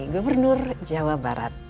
gubernur jawa barat